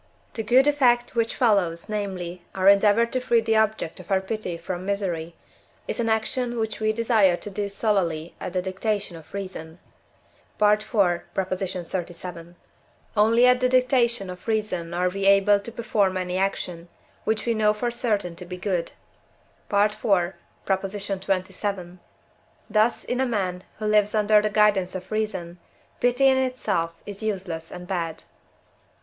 The good effect which follows, namely, our endeavour to free the object of our pity from misery, is an action which we desire to do solely at the dictation of reason (IV. xxxvii.); only at the dictation of reason are we able to perform any action, which we know for certain to be good (IV. xxvii.); thus, in a man who lives under the guidance of reason, pity in itself is useless and bad.